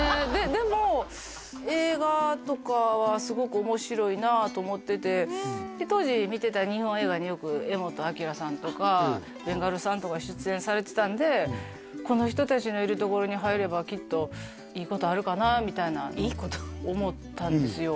でも映画とかはすごく面白いなと思っててで当時見てた日本映画によく柄本明さんとかベンガルさんとか出演されてたんでこの人達のいるところに入ればきっとみたいな思ったんですよ